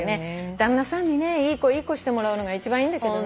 旦那さんにね「いい子いい子」してもらうのが一番いいんだけどね。